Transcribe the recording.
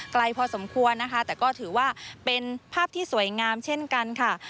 ไกลพอสมควรนะคะแต่ก็ถือว่าเป็นภาพที่สวยงามเช่นกันค่ะ